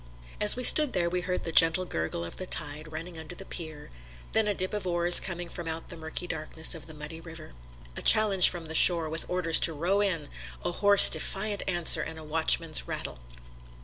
As we stood there we heard the gentle gurgle of the tide running under the pier, then a dip of oars coming from out the murky darkness of the muddy river: a challenge from the shore with orders to row in, a hoarse, defiant answer and a watchman's rattle.